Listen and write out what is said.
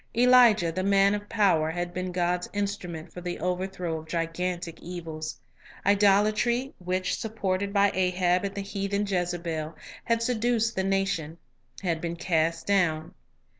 Elijah, the man of power, had been God's instru ment for the overthrow of gigantic evils. Idolatry, which, supported by Ahab and the heathen Jezebel, had seduced the nation, had been cast down.